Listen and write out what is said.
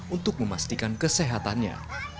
untuk memastikan kesehatannya